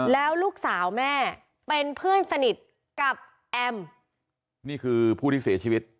แล้วลูกสาวแม่เป็นเพื่อนสนิทกับแอมนี่คือผู้ที่เสียชีวิต